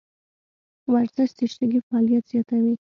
ورزش د سږي فعالیت زیاتوي.